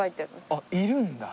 あっいるんだ。